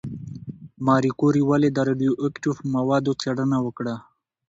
ماري کوري ولې د راډیواکټیف موادو څېړنه وکړه؟